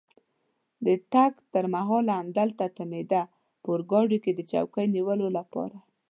د تګ تر مهاله همدلته تمېده، په اورګاډي کې د چوکۍ نیولو لپاره.